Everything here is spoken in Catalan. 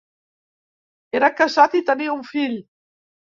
Era casat i tenia un fill.